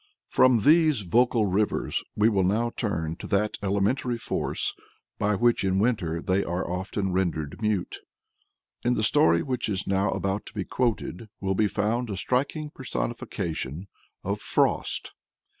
From these vocal rivers we will now turn to that elementary force by which in winter they are often rendered mute. In the story which is now about to be quoted will be found a striking personification of Frost.